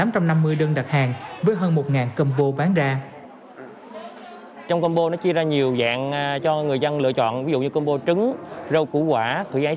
trong một ngày